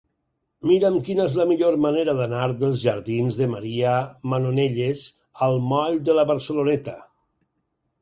Mira'm quina és la millor manera d'anar dels jardins de Maria Manonelles al moll de la Barceloneta.